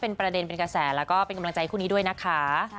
เป็นประเด็นเป็นกระแสแล้วก็เป็นกำลังใจคู่นี้ด้วยนะคะ